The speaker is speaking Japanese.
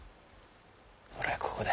俺はここだ。